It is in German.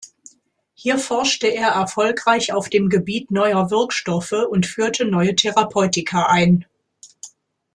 Hier forschte er erfolgreich auf dem Gebiet neuer Wirkstoffe und führte neue Therapeutika ein.